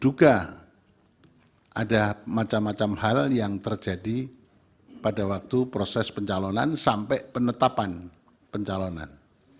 juga ada macam macam hal yang terjadi pada waktu proses pencalonan sampai penetapan pencalonan